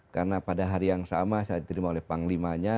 karena pada hari yang sama saya diterima oleh panglimanya